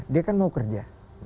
dia kan mau kerja